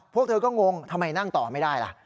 พวกเธอก็งงทำไมนั่งต่อไม่ได้ล่ะ